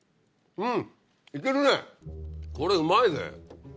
うん。